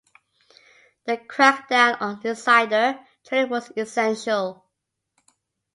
A crackdown on insider trading was essential.